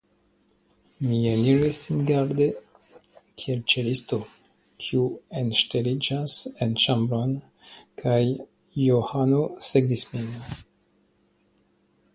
Mi eniris singarde kiel ŝtelisto, kiu enŝteliĝas en ĉambron, kaj Johano sekvis min.